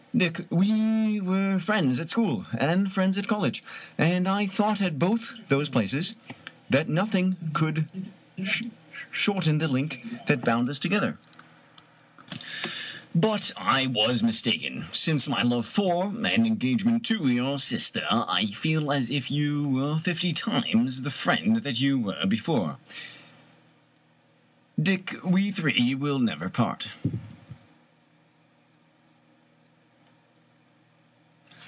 " Dick, we were friends at school, and friends at college, and I thought at both those places that nothing could shorten the link that bound us together, but I was mistaken. Since my love for, and engagement to your sister, I feel as if you were fifty times the friend that you were before. Dick, we three will never part